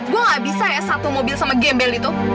gue gak bisa ya satu mobil sama gembel itu